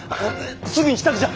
すぐに支度じゃ！